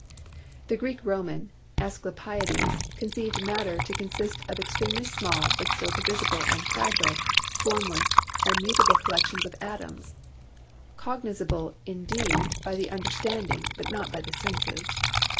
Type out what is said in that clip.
The Greek Roman Asclepiades conceived matter to con sist of extremely small, but still divisible and fragile, formless and mutable collections of atoms, cognizable in deed by the understanding, but not by the senses.